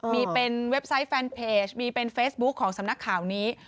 มีเป็นเว็บไซต์แฟนเพจมีเป็นเฟซบุ๊คของสำนักข่าวนี้